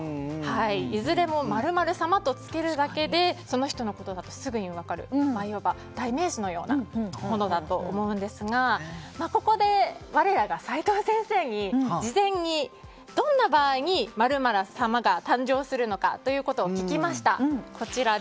いずれも○○様とつけるだけでその人のことだとすぐに分かるいわば代名詞のようなものだと思うんですがここで我らが齋藤先生に事前にどんな場合に○○様が誕生するのかということを聞きました。